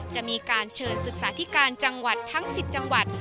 จะมีการเชิญศึกษาธิการจังหวัดทั้ง๑๐จังหวัด